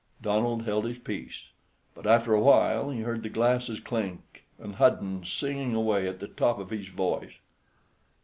Donald held his peace, but after a while he heard the glasses clink, and Hudden singing away at the top of his voice.